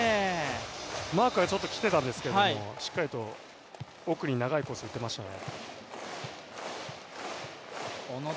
マークがちょっときてたんですけど、しっかりと奥に長いコース打っていましたね。